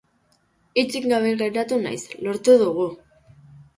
Hitzik gabe geratu naiz, lortu dugu!